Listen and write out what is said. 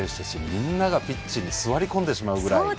みんながピッチに座り込んでしまうぐらい。